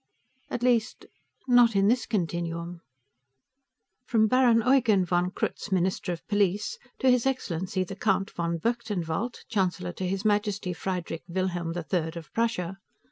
_ At least, not in this continuum.... (From Baron Eugen von Krutz, Minister of Police, to His Excellency the Count von Berchtenwald, Chancellor to His Majesty Friedrich Wilhelm III of Prussia.)